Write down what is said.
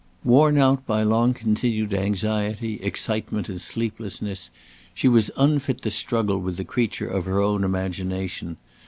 Worn out by long continued anxiety, excitement and sleeplessness, she was unfit to struggle with the creatures of her own imagination.